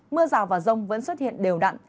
mưa rào và rông vẫn xuất hiện đều đặn